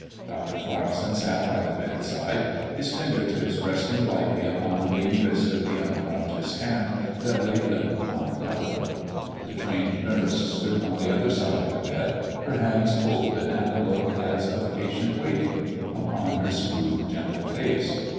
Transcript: Dr. Clarkson sat by the bedside, his finger tips resting lightly upon the lean wrist of the unconscious hand that lay limp upon the coverlet. The trained nurse stood on the other side of the bed, her hands folded and a look as of patient waiting upon her smooth, gentle face.